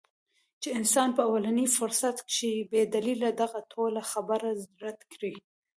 چې انسان پۀ اولني فرصت کښې بې دليله دغه ټوله خبره رد کړي -